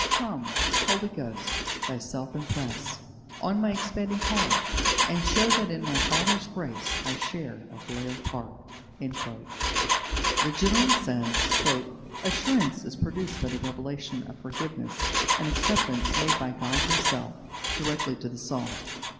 "Come, Holy Ghost, Thyself impress On my expanding heart: And show that in the Father's grace I share a filial part." The General says: "Assurance is produced by the revelation of forgiveness and acceptance made by God Himself directly to the soul.